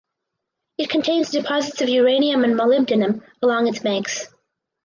It contains deposits of uranium and molybdenum along its banks.